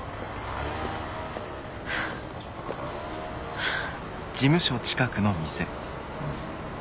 はあ。